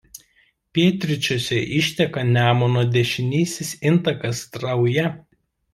Pietryčiuose išteka Nemuno dešinysis intakas Strauja.